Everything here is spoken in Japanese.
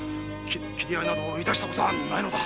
斬り合いなどいたしたことはないのだ。